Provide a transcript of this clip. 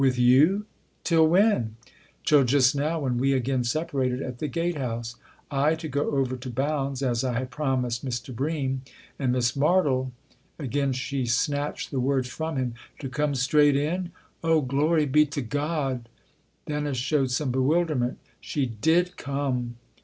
" With you ? till when ?"" Till just now, when we again separated at the gate house : I to go over to Bounds, as I had promised Mr. Bream, and Miss Martle Again she snatched the words from him. "To come straight in ? Oh, glory be to God 1 " Dennis showed some bewilderment. "She did come